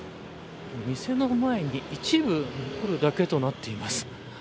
店の前に一部残るだけとなっています。